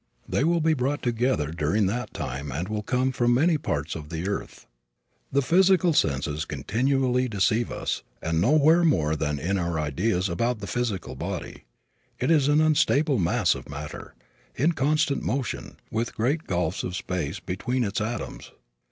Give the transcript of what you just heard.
They will be brought together during that time and will come from many parts of the earth. The physical senses continually deceive us and nowhere more than in our ideas about the physical body. It is an unstable mass of matter, in constant motion, with great gulfs of space between its atoms.